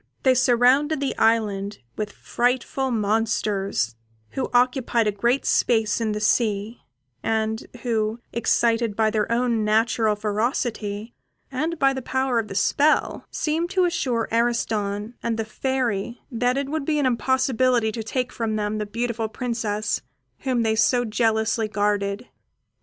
They surrounded the island with frightful monsters, who occupied a great space on the sea, and who, excited by their own natural ferocity, and by the power of the spell, seemed to assure Ariston and the Fairy that it would be an impossibility to take from them the beautiful Princess whom they so jealously guarded.